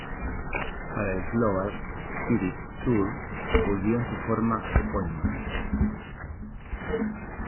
Para el Global Spirit Tour volvió en su forma epónima.